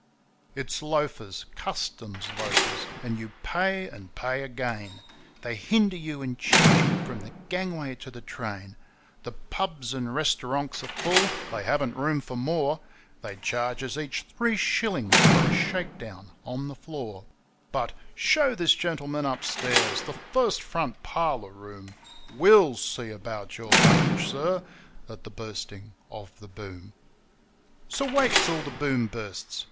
It's loafers Customs loafers and you pay and pay again; They hinder you and cheat you from the gangway to the train; The pubs and restaurants are full they haven't room for more; They charge us each three shillings for a shakedown on the floor; But, 'Show this gentleman upstairs the first front parlour room. We'll see about your luggage, sir' at the Bursting of the Boom. So wait till the Boom bursts!